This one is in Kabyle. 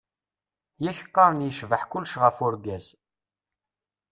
Yak qqaren yecbeḥ kulec ɣef urgaz.